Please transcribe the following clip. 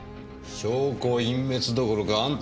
証拠隠滅どころかあんた